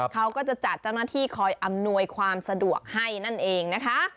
เขาก็จะจัดเจ้าหน้าที่คอยอำนวยความสะดวกให้นั่นเองนะคะ